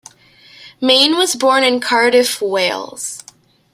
Main was born in Cardiff, Wales.